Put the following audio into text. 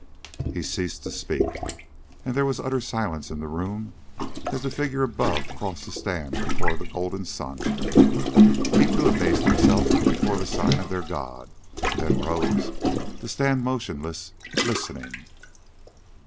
He ceased to speak, and there was utter silence in the room as the figure above crossed to stand before the golden sun. He too abased himself before the sign of their god, then rose, to stand motionless, listening....